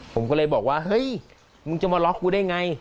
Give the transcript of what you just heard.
ผมก็เลยบอกว่าเฮ้ยมึงจะมาล็อกกูได้ไง